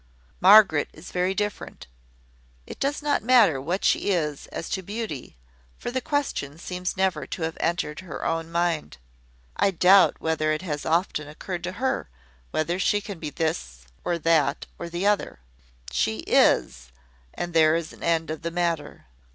Margaret is very different. It does not matter what she is as to beauty, for the question seems never to have entered her own mind. I doubt whether it has often occurred to her whether she can be this, or that, or the other. She is, and there is an end of the matter.